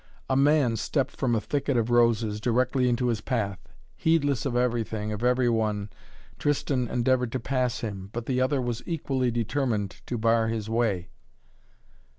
A man stepped from a thicket of roses, directly into his path. Heedless of everything, of every one, Tristan endeavored to pass him, but the other was equally determined to bar his way.